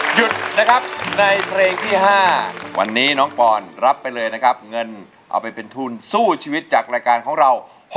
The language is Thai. หยุดนะครับในเพลงที่๕วันนี้น้องปอนรับไปเลยนะครับเงินเอาไปเป็นทุนสู้ชีวิตจากรายการของเรา